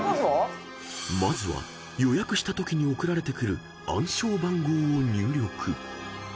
［まずは予約したときに送られてくる暗証番号を入力］